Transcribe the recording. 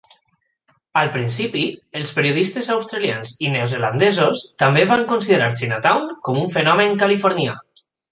Al principi, els periodistes australians i neozelandesos també van considerar Chinatown com un fenomen californià.